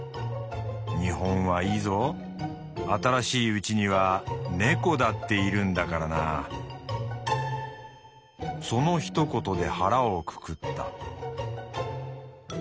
『日本はいいぞ新しい家には猫だっているんだからな』そのひと言で腹をくくった」。